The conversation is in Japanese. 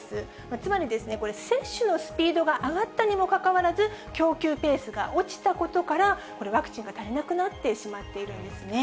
つまりですね、これ、接種のスピードが上がったにもかかわらず、供給ペースが落ちたことから、これ、ワクチンが足りなくなってしまっているんですね。